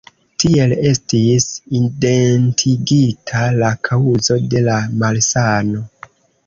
Tiel estis identigita la kaŭzo de la malsano.